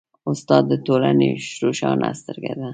استاد د ټولنې روښانه سترګه ده.